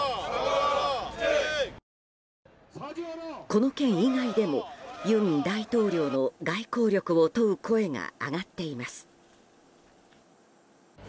この件以外でも尹大統領の外交力を問う声が上がっています。